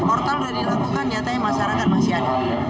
portal sudah dilakukan nyatanya masyarakat masih ada